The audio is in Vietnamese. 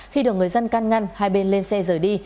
khi được người dân can ngăn hai bên lên xe rời đi